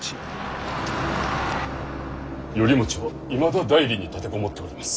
頼茂はいまだ内裏に立て籠もっております。